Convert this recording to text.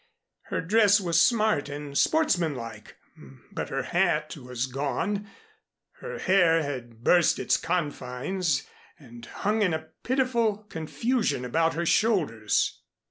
Her dress was smart and sportsmanlike, but her hat was gone; her hair had burst its confines and hung in a pitiful confusion about her shoulders.